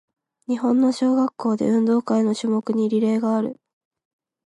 日本の小学校で、運動会の種目にリレーがある。